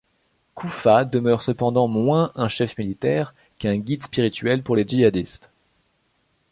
Koufa demeure cependant moins un chef militaire qu'un guide spirituel pour les djihadistes.